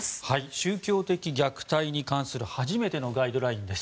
宗教的虐待に関する初めてのガイドラインです。